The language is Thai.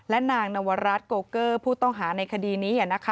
และนางนวรัฐโกเกอร์ผู้ต้องหาในคดีนี้